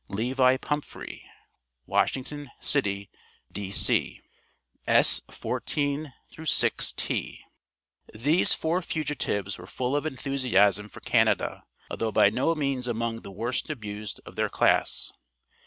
LEVI PUMPHREY, Washington City, D.C. s14 6t. These four fugitives were full of enthusiasm for Canada, although by no means among the worst abused of their class.